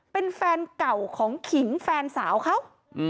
เป็นแฟนเก่าของขิงแฟนสาวเขา